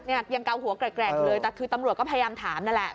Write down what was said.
ยังเกาหัวแกรกเลยแต่คือตำรวจก็พยายามถามนั่นแหละ